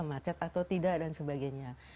macet atau tidak dan sebagainya